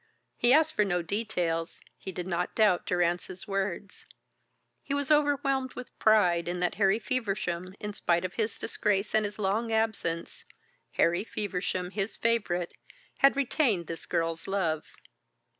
He asked for no details, he did not doubt Durrance's words. He was overwhelmed with pride in that Harry Feversham, in spite of his disgrace and his long absence, Harry Feversham, his favourite, had retained this girl's love.